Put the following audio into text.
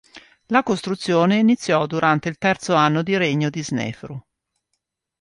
La costruzione iniziò durante il terzo anno di regno di Snefru.